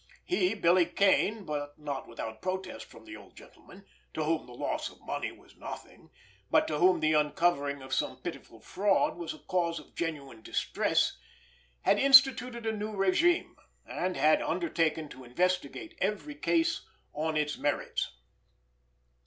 He, Billy Kane, but not without protest from the old gentleman, to whom the loss of the money was nothing, but to whom the uncovering of some pitiful fraud was a cause of genuine distress, had instituted a new régime, and had undertaken to investigate every case on its merits.